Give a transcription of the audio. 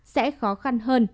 sẽ khó khăn hơn